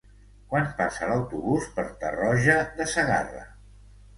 Quan passa l'autobús per Tarroja de Segarra?